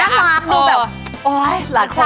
ดูแบบโอ๊ยหลักคนชอบ